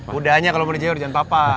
kudanya kalo mau jewer jangan papa